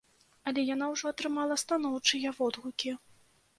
Але яна ўжо атрымала станоўчыя водгукі.